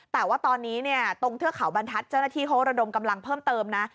แต่ว่าตอนนี้เนี่ยตรงเทือกเขาบรรทัศน์เจ้าหน้าที่เขาระดมกำลังเพิ่มเติมนะ